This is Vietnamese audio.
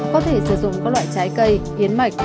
có thể sử dụng các loại trái cây hiến mạnh